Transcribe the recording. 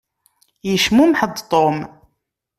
Yecmumeḥ-d Tom.